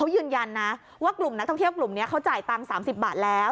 ยืนยันนะว่ากลุ่มนักท่องเที่ยวกลุ่มนี้เขาจ่ายตังค์๓๐บาทแล้ว